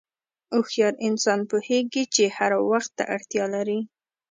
هوښیار انسان پوهېږي چې هر څه وخت ته اړتیا لري.